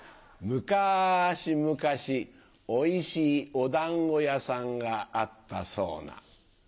むかしむかしおいしいお団子屋さんがあったそうな。